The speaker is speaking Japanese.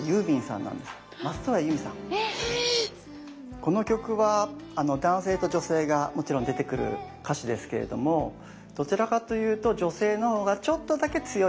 この曲は男性と女性がもちろん出てくる歌詞ですけれどもどちらかというと女性のほうがちょっとだけ強いかもしれない。